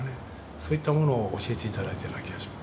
そういったものを教えて頂いたような気がします。